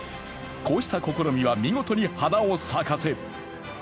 こうした試みは見事に花を咲かせる。